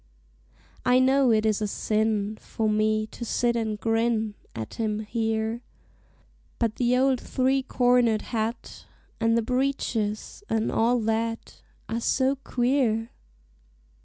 I know it is a sin For me to sit and grin At him here, But the old three cornered hat, And the breeches, and all that, Are so queer!